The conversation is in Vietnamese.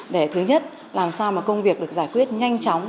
để thứ nhất làm sao mà công việc được giải quyết nhanh chóng